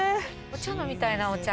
お茶飲みたいなお茶。